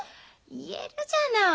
言えるじゃない！